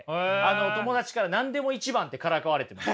友達から何でも一番ってからかわれてました。